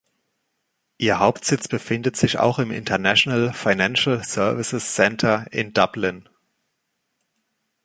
Ihr Hauptsitz befindet sich auch im International Financial Services Centre in Dublin.